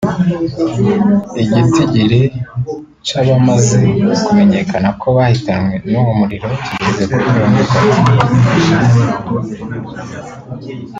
Igitigiri c'abamaze kumenyekana ko bahitanywe n'uwo muriro kigeze kuri mirongo itatu